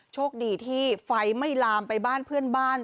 โชคดีที่ไฟไม่ลามไปบ้านเพื่อนบ้าน